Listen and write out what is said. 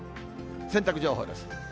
洗濯情報です。